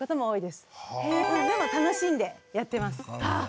でも楽しんでやってます。